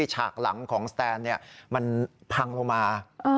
หลังของสแตนซ์นั้นมันพังลงมา